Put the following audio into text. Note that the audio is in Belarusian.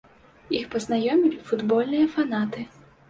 Іх пазнаёмілі футбольныя фанаты.